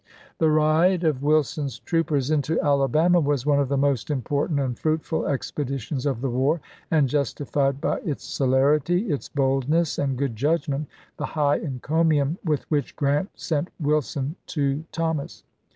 The ride of Wilson's troopers into Alabama was one of the most important and fruitful expeditions of the war, and justified by its celerity, its boldness, and good judgment the high encomium with which Grant sent Wilson to Thomas.